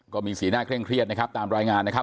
ก็มีสีหน้าเคร่งเครียดนะครับตามรายงานนะครับ